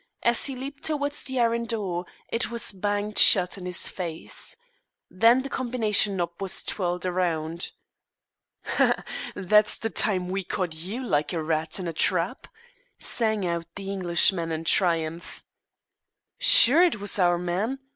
As he leaped towards the iron door, it was banged shut in his face. Then the combination knob was twirled around. "Ha! ha! That's the time we caught you like a rat in a trap!" sang out the Englishman in triumph. "Sure it was our man?"